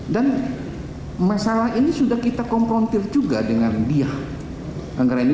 dan masalah ini sudah kita komprontir juga dengan dia anggreni